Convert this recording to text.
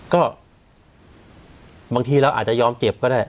ก็บางทีเราอาจจะยอมเก็บก็ได้